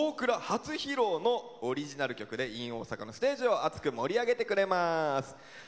初披露のオリジナル曲で「ｉｎ大阪」のステージを熱く盛り上げてくれます。